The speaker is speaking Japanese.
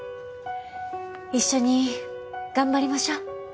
一緒に頑張りましょう。